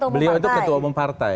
maksudnya ketua umum partai